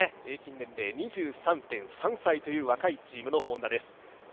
平均年齢２３．３歳という若いチームのＨｏｎｄａです。